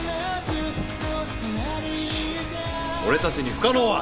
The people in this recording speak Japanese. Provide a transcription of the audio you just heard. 俺たちに不可能は。